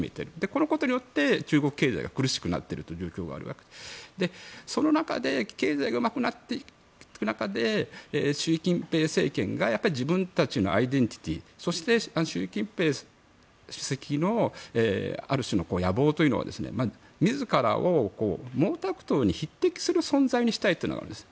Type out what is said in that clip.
このことによって、中国経済が苦しくなっているという状況があるわけでその中で経済が弱くなっていく中で習近平政権が自分たちのアイデンティティーそして、習近平主席のある種の野望というのを自らを毛沢東に匹敵する存在にしたいというのがあるんです。